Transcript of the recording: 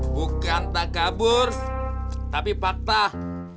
bukan tak kabur tapi fakta